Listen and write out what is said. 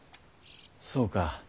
そうか。